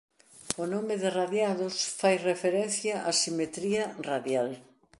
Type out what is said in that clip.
O nome de radiados fai referencia a simetría radial.